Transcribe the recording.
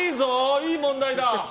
いい問題だ！